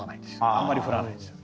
あんまり降らないんですよ。